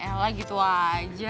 elah gitu aja